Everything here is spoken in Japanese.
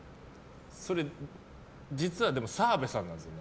それ実はでも澤部さんなんですよね。